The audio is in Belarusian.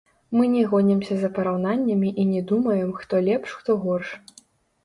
Мы не гонімся за параўнаннямі і не думаем, хто лепш, хто горш.